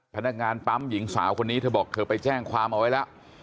พนักงานปั๊มหญิงสาวคนนี้เธอบอกเธอไปแจ้งความเอาไว้แล้ว